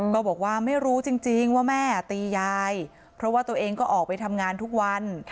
ก็บอกว่าไม่รู้จริงว่าแม่ตียายเพราะว่าตัวเองก็ออกไปทำงานทุกวัน